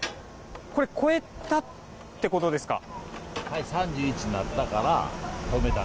これは超えたってことですか。